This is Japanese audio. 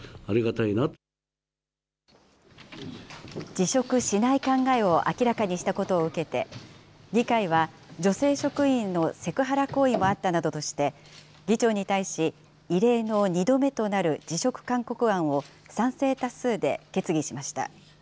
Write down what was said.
辞職しない考えを明らかにしたことを受けて、議会は女性職員へのセクハラ行為もあったなどとして、議長に対し異例の２度目となる辞職勧告案を賛成多数で決議しました。